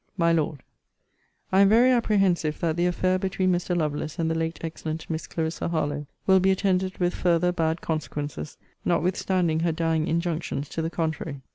MY LORD, I am very apprehensive that the affair between Mr. Lovelace and the late excellent Miss Clarissa Harlowe will be attended with farther bad consequences, notwithstanding her dying injunctions to the contrary.